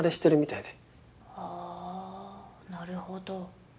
ああなるほど。